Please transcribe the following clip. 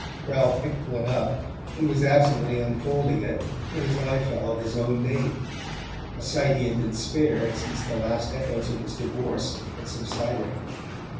Ralph picked one up, and was absently unfolding it when his eye fell on his own name: a sight he had been spared since the last echoes of his divorce had subsided.